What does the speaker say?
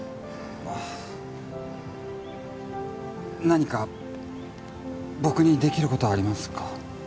何か僕にできることありますか？